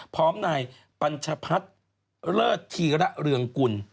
พร้อมนายปัญชพัฒน์เลิศธีระเรืองกุล